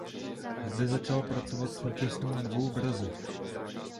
Zde začal pracovat současně na dvou obrazech.